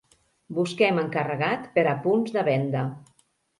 Busquem encarregat per a punts de venda.